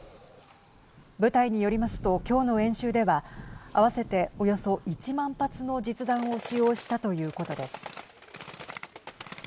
部隊によりますと今日の演習では合わせて、およそ１万発の実弾を使用したということです。